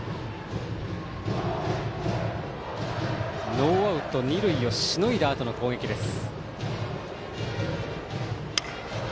ノーアウト二塁をしのいだあとの攻撃です。